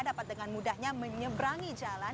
dapat dengan mudahnya menyeberangi jalan